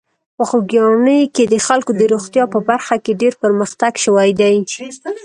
په خوږیاڼي کې د خلکو د روغتیا په برخه کې ډېر پرمختګ شوی دی.